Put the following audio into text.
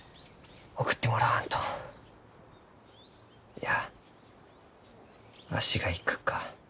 いやわしが行くか。